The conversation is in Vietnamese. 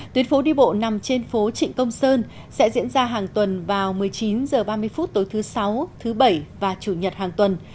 tuyến phố đi bộ nằm trên phố trịnh công sơn sẽ diễn ra hàng tuần vào một mươi chín h ba mươi phút tối thứ sáu thứ bảy và chủ nhật hàng tuần